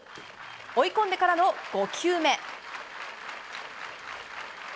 追い込んでからの５球目。